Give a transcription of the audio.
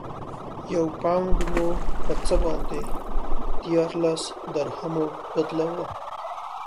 یو پونډ مو په څه باندې دیارلس درهمو بدلاوه.